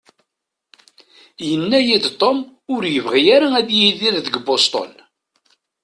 Yenna-iyi-d Tom ur yebɣi ara ad yidir deg Boston.